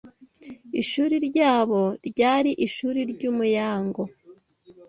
ishuri ryabo ryari ishuri ry’umuyango